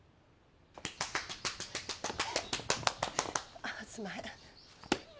あすんまへん。